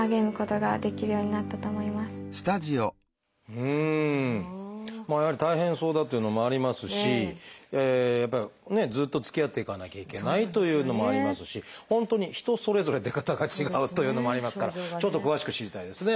うんやはり大変そうだというのもありますしやっぱりねずっとつきあっていかなきゃいけないというのもありますし本当に人それぞれ出方が違うというのもありますからちょっと詳しく知りたいですね。